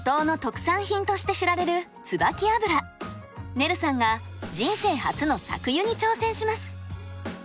ねるさんが人生初の搾油に挑戦します。